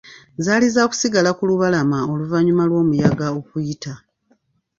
Zaali zaakusigala ku lubalama oluvannyuma lw'omuyaga okuyita.